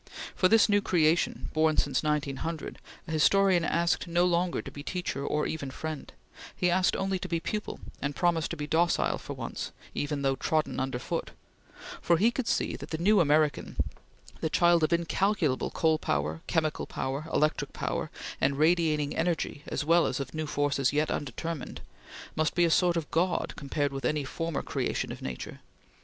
For this new creation, born since 1900, a historian asked no longer to be teacher or even friend; he asked only to be a pupil, and promised to be docile, for once, even though trodden under foot; for he could see that the new American the child of incalculable coal power, chemical power, electric power, and radiating energy, as well as of new forces yet undetermined must be a sort of God compared with any former creation of nature.